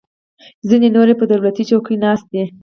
ځینې نور یې پر دولتي چوکیو ناست دي.